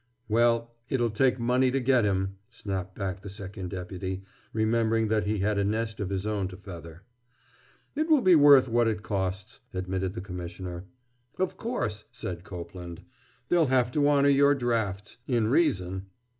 "Well, it'll take money to get him," snapped back the Second Deputy, remembering that he had a nest of his own to feather. "It will be worth what it costs," admitted the Commissioner. "Of course," said Copeland, "they'll have to honor your drafts—in reason."